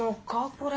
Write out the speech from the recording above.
これ。